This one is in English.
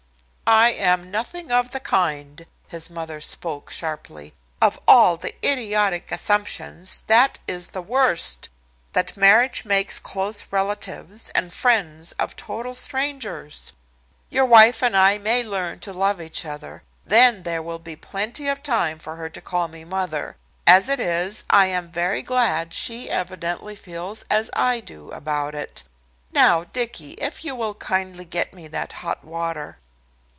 "I am nothing of the kind." His mother spoke sharply. "Of all the idiotic assumptions, that is the worst, that marriage makes close relatives, and friends of total strangers. Your wife and I may learn to love each other. Then there will be plenty of time for her to call me mother. As it is, I am very glad she evidently feels as I do about it. Now, Dicky, if you will kindly get me that hot water."